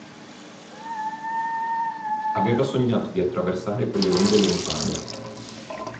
Aveva sognato di attraversare quelle onde lontane.